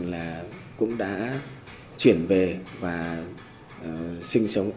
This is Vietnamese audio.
các hộ gia đình cũng đã chuyển về và sinh sống ổn định